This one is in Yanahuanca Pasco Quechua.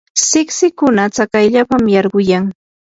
siksikuna tsakayllapam yarquyan.